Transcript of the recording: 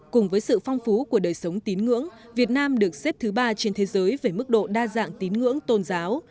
cùng với sự phong phú của đời sống tín ngưỡng việt nam được xếp thứ ba trên thế giới về mức độ đa dạng tín ngưỡng tôn giáo